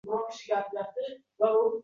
Ikkingizning ham narxingiz bir dollar